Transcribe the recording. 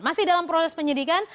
masih dalam proses penyidikan